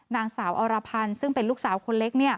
นางสาวอรพันธ์ซึ่งเป็นลูกสาวคนเล็ก